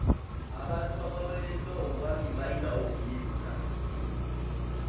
Abantu abaweereddwa obwami balina obuyinza.